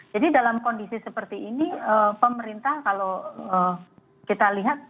jadi dalam kondisi seperti ini pemerintah kalau kita lihat